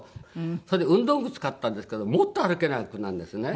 それで運動靴買ったんですけどもっと歩けなくなるんですね。